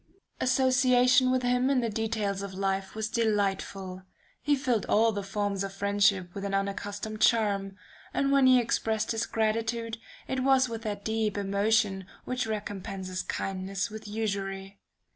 "Association with him in the details of life was delightful. He filled all the forms of friendship with an unaccustomed charm, and when he expressed his gratitude, it was with that deep emotion which recompenses kindness with usury.